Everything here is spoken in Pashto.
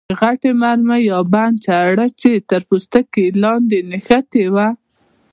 د غټې مرمۍ یا بم چره یې تر پوستکي لاندې نښتې وه.